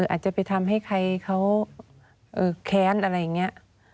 อาจจะไปทำให้ใครเขาแค้นอะไรอย่างนี้